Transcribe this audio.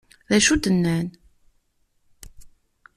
D acu d-nnan?